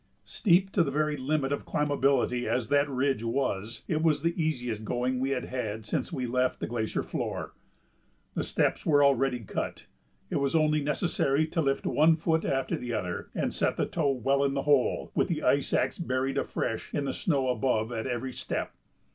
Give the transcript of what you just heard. Steep to the very limit of climbability as that ridge was, it was the easiest going we had had since we left the glacier floor. The steps were already cut; it was only necessary to lift one foot after the other and set the toe well in the hole, with the ice axe buried afresh in the snow above at every step.